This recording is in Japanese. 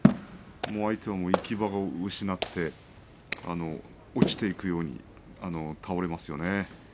相手は行き場を失って落ちていくように倒れますよね。